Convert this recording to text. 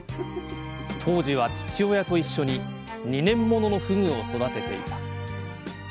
当時は父親と一緒に２年もののふぐを育てていた。